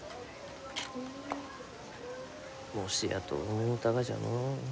もしやと思うたがじゃのう。